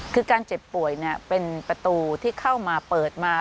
คือการเจ็บป่วยเป็นประตูที่เข้ามาเปิดมา